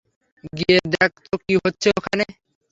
গিয়ে দেখ তো কী হচ্ছে ওখানে।